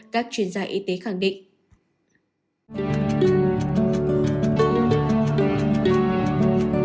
các chuyên gia y tế khẳng định